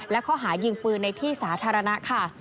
และข้อหายิงปืนในที่สาธารณะค่ะ